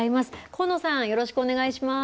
高野さん、よろしくお願いします。